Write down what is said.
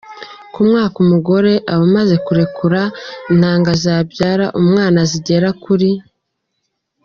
Ku myaka ,umugore aba amaze kurekura intanga zabyara umwana zigera kuri .